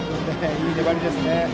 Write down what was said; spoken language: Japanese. いい粘りですね。